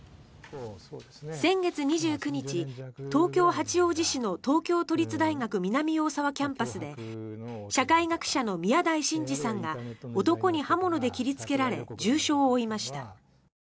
先月２９日、東京・八王子市の東京都立大学南大沢キャンパスで社会学者の宮台真司さんが男に刃物で切りつけられ重傷を負いました。